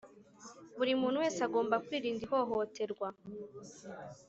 Buri muntu wese agomba kwirinda ihohoterwa